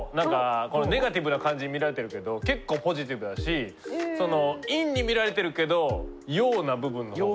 ネガティブな感じに見られてるけど結構ポジティブだし陰に見られてるけど陽な部分の方が。